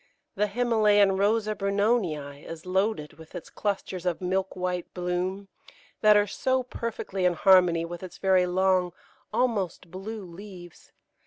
The Himalayan Rosa Brunonii is loaded with its clusters of milk white bloom, that are so perfectly in harmony with its very long, almost blue leaves.